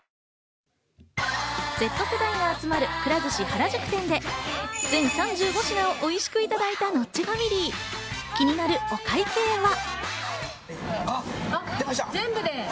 原宿店で全３５品をおいしくいただいたノッチファミリー、気になるお会計は。